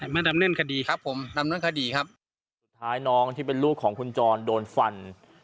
มาดำเนินคดีครับ